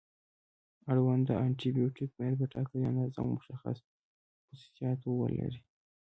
اړونده انټي بیوټیک باید په ټاکلې اندازه او مشخص خصوصیاتو ولري.